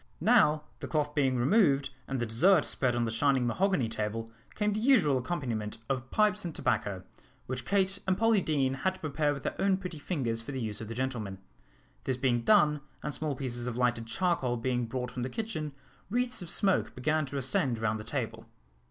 Now, the cloth being removed, and the dessert spread on the shining mahogany table, came the usual accompaniment of pipes and tobacco, which Kate and Polly Deane had to prepare with their own pretty fingers for the use of the gentlemen. This being done, and small pieces of lighted charcoal being brought from the kitchen, wreaths of smoke began to ascend round the table.